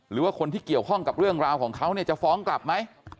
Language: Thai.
หรือว่าคนที่เกี่ยวข้องกับเรื่องราวของเขาเนี่ยจะฟ้องกลับไหม